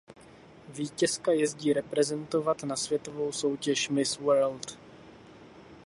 Vítězka jezdí reprezentovat na světovou soutěž Miss World.